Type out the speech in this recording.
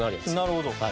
なるほど。